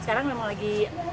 sekarang memang lagi